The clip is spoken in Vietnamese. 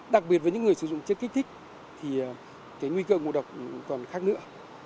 đặc biệt với những người sử dụng chất kích thích thì cái nguy cơ ngộ độc còn khác nữa